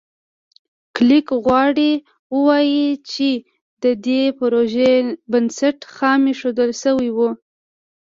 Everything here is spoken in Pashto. کلېک غواړي ووایي چې د دې پروژې بنسټ خام ایښودل شوی و.